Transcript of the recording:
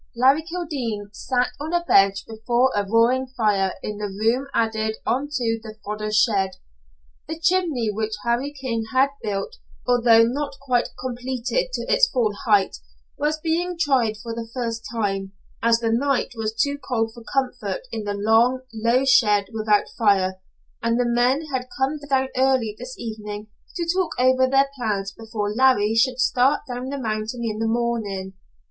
Larry Kildene sat on a bench before a roaring fire in the room added on to the fodder shed. The chimney which Harry King had built, although not quite completed to its full height, was being tried for the first time, as the night was too cold for comfort in the long, low shed without fire, and the men had come down early this evening to talk over their plans before Larry should start down the mountain in the morning.